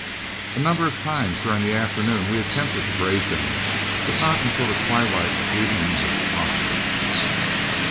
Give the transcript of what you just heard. A number of times during the afternoon we attempted to graze them, but not until the twilight of evening was it possible.